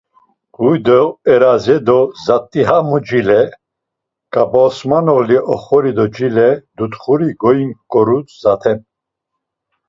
Huy do eraze do zat̆i hamu cile, Ǩabosmanoğli oxori do cile Dutxuri goinǩoru zaten.